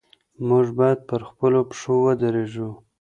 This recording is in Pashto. موږ بايد پر خپلو پښو ودرېږو.